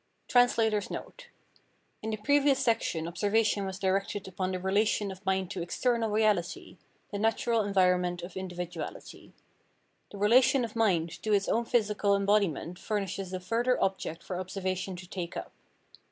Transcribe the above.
[In the previous section observation was directed upon the relation of mind to external reality — the natural environment of individuality. The relation of mind to its own physical embodiment furnishes a further object for observation to take up.